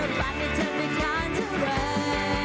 เบียบปากให้เธอไปงานเท่าไหร่